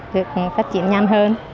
được phát triển nhanh hơn